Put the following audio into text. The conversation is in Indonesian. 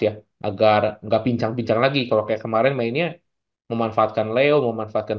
ya agar enggak pincang bincang lagi kalau kayak kemarin mainnya memanfaatkan leo memanfaatkan